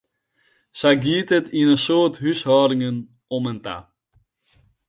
Sa gie it yn in soad húshâldingen om en ta.